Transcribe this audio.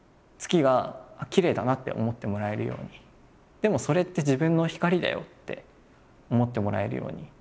でもそれって自分の光だよって思ってもらえるように。